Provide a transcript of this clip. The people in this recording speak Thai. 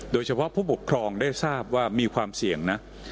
โดยเฉพาะผู้ปกครองได้ทราบว่ามีความเสี่ยงนะ